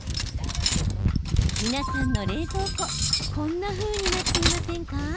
皆さんの冷蔵庫こんなふうになっていませんか？